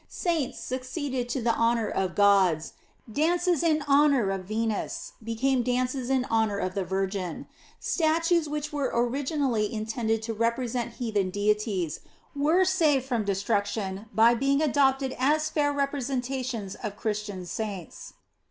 Saints succeeded to the honors of gods; dances in honor of Venus became dances in honor of the Virgin; statues which were originally intended to represent heathen deities were saved from destruction by being adopted as fair representations of Christian saints.